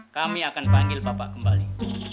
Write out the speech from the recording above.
kami akan panggil bapak kembali